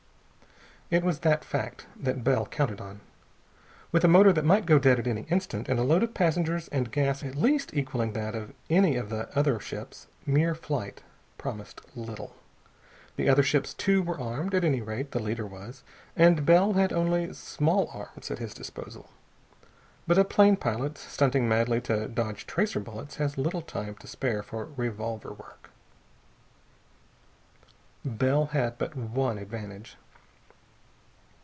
It was that fact that Bell counted on. With a motor that might go dead at any instant and a load of passengers and gas at least equaling that of any of the other ships, mere flight promised little. The other ships, too, were armed, at any rate the leader was, and Bell had only small arms at his disposal. But a plane pilot, stunting madly to dodge tracer bullets, has little time to spare for revolver work. Bell had but one advantage.